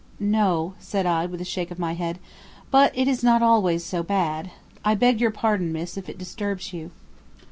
"No," said I with a shake of my head, "but it is not always so bad. I beg your pardon, miss, if it disturbs you."